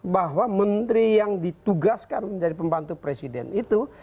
bahwa menteri yang ditugaskan menjadi pembantu presiden itu